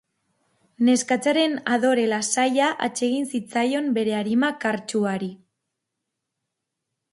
Neskatxaren adore lasaia atsegin zitzaion bere arima kartsuari.